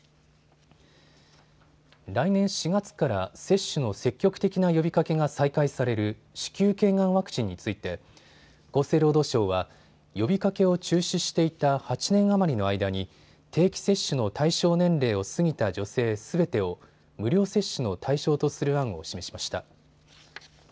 来年４月から接種の積極的な呼びかけが再開される子宮頸がんワクチンについて厚生労働省は呼びかけを中止していた８年余りの間に定期接種の対象年齢を過ぎた女性すべてを無料接種の対象とする案を示しました。